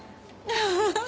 フフフフ。